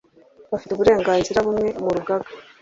bafite uburenganzira bumwe mu Rugaga